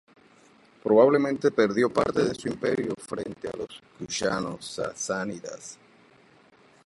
Probablemente perdió parte de su imperio frente a los kushano-sasánidas.